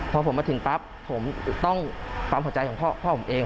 พอผมมาถึงปั๊บผมต้องปั๊มหัวใจของพ่อผมเอง